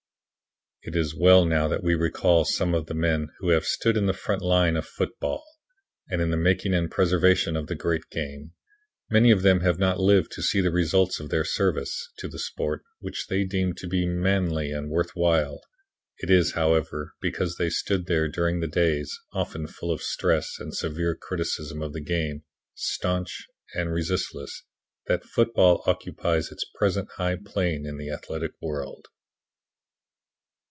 It is well now that we recall some of the men who have stood in the front line of football; in the making and preservation of the great game. Many of them have not lived to see the results of their service to the sport which they deemed to be manly and worth while. It is, however, because they stood there during days, often full of stress and severe criticism of the game, staunch and resistless, that football occupies its present high plane in the athletic world.